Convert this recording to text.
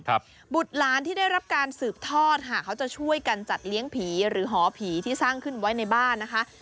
บุตรหลานที่ได้รับการสืบทอดค่ะเขาจะช่วยกันจัดเลี้ยงผีหรือหอผีที่สร้างขึ้นไว้ในบ้านนะคะ